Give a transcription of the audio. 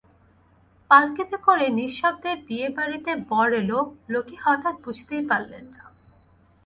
পালকিতে করে নিঃশব্দে বিয়েবাড়িতে বর এল, লোকে হঠাৎ বুঝতেই পারলে না।